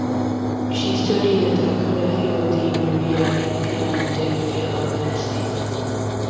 She studied at the Collegio di Maria in Piana degli Albanesi.